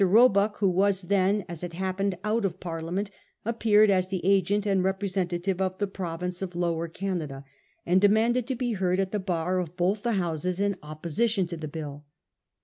Roebuck, who was then, as it happened, out of Parliament, appeared as the agent and representative of the province of Lower Canada, and demanded to be heard at the bar of both the houses in opposition to the bill.